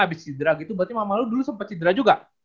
abis cedera gitu berarti mama lu dulu sempet cedera juga